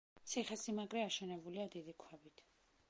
ციხესიმაგრე აშენებულია დიდი ქვებით.